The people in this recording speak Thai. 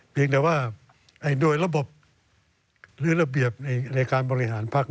เพียงแต่ว่าโดยระบบหรือระเบียบในการบริหารภักดิ์